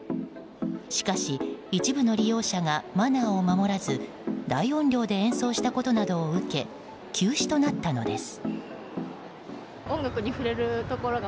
しかし、一部の利用者がマナーを守らず大音量で演奏したことなどを受け休止となったのです。